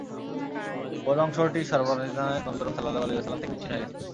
বড় অংশটি সর্বাধিনায়ক নবী করীম সাল্লাল্লাহু আলাইহি ওয়াসাল্লাম থেকে বিচ্ছিন্ন হয়ে গেছে।